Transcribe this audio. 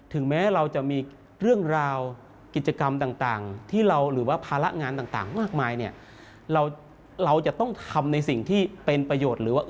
ถึงแม้เราจะมีเรื่องราวกิจกรรมต่างที่เราหรือว่าภาระงานต่างมากมาย